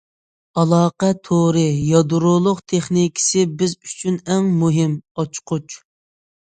ئالاقە تورى يادرولۇق تېخنىكىسى بىز ئۈچۈن ئەڭ مۇھىم« ئاچقۇچ».